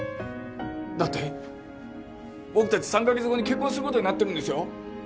だって僕達３カ月後に結婚することになってるんですよ